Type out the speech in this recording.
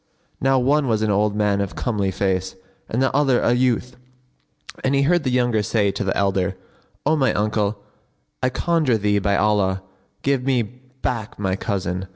Now one was an old man of comely face and the other a youth; and he heard the younger say to the elder, "O my uncle,, I conjure thee by Allah, give me back my cousin!"